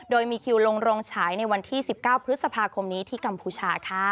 โดยมีคิวลงโรงฉายในวันที่๑๙พฤษภาคมนี้ที่กัมพูชาค่ะ